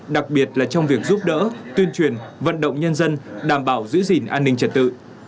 đặc biệt là trong việc giúp đỡ tuyên truyền vận động nhân dân đảm bảo giữ gìn an ninh trật tự